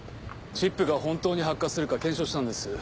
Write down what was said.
チップが本当に発火するか検証したんです。